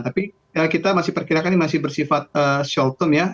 tapi kita masih perkirakan ini masih bersifat short term ya